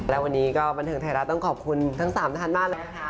และวันนี้ก็บันเทิงไทยรัฐต้องขอบคุณทั้ง๓ท่านมากเลยนะคะ